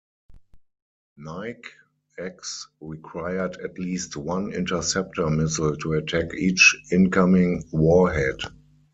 Nike-X required at least one interceptor missile to attack each incoming warhead.